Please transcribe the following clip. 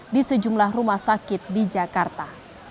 di sejumlah rumah sakit di jakarta